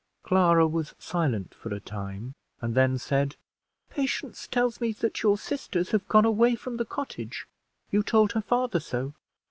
Clara was silent for a time, and then said "Patience tells me that your sisters have gone away from the cottage. You told her father so."